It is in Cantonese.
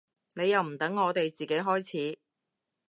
你又唔等我哋自己開始